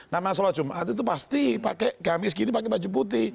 nah sholat jumat itu pasti pakai kamis gini pakai baju putih